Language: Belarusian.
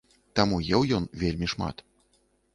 Таму еў ён вельмі шмат.